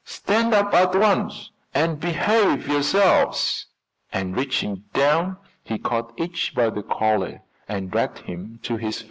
"Stand up at once and behave yourselves," and reaching down, he caught each by the collar and dragged him to his feet.